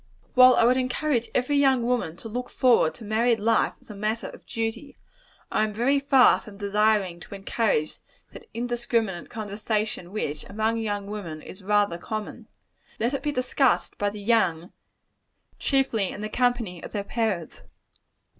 While I would encourage every young woman to look forward to married life as a matter of duty, I am very far from desiring to encourage that indiscriminate conversation, which, among young women, is rather common. Let it be discussed by the young, chiefly in the company of their parents.